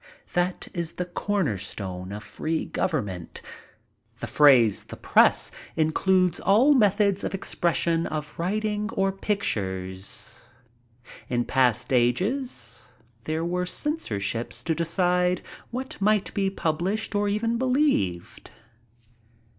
That is the cornerstone of free government The phrase ••the press includes all methods of expression by writing or pictures. In past ages there were censorships to decide what might be published, or even believed.